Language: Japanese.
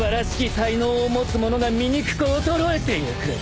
才能を持つ者がみにくく衰えてゆく。